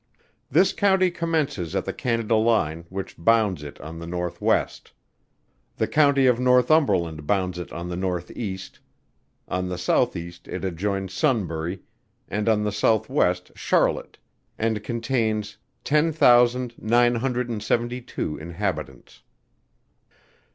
This County commences at the Canada line, which bounds it on the north west. The County of Northumberland bounds it on the north east, on the south east it adjoins Sunbury, and on the south west Charlotte, and contains 10,972 inhabitants.